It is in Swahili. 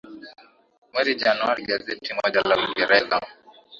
mwezi januari gazeti moja la uingereza